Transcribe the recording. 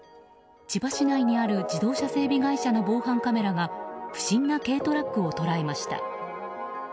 千葉市内にある自動車整備会社の防犯カメラが不審な軽トラックを捉えました。